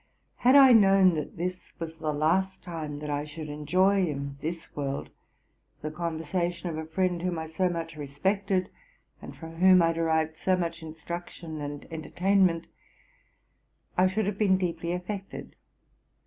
Had I known that this was the last time that I should enjoy in this world, the conversation of a friend whom I so much respected, and from whom I derived so much instruction and entertainment, I should have been deeply affected.